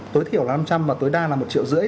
tối thiểu là năm trăm linh và tối đa là một triệu rưỡi